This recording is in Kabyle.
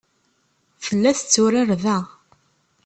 Tella tetturar da.